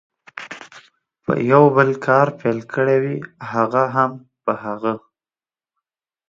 په یو بل کار پیل کړي وي، هغه هم په هغه.